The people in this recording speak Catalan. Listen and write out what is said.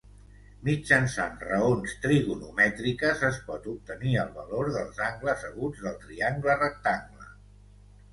Mitjançant raons trigonomètriques es pot obtenir el valor dels angles aguts del triangle rectangle.